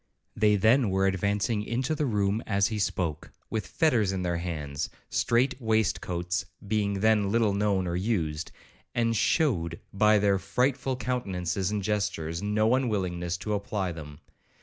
They then were advancing into the room as he spoke, with fetters in their hands, (strait waistcoats being then little known or used), and shewed, by their frightful countenances and gestures, no unwillingness to apply them.